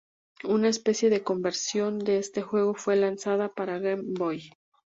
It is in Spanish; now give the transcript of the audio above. Una "especie" de conversión, de este juego fue lanzada para el Game Boy.